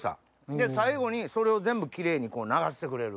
で最後にそれを全部キレイに流してくれる。